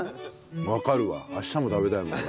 わかるわ明日も食べたいもん。